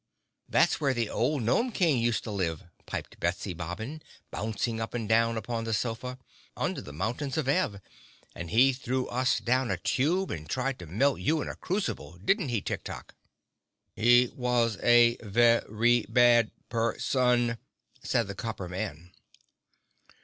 "That's where the old Gnome King used to live," piped Betsy Bobbin, bouncing up and down upon the sofa, "under the mountains of Ev, and he threw us down a tube and tried to melt you in a crucible, didn't he, Tik Tok?" "He was a ve ry bad per son," said the Copper Man.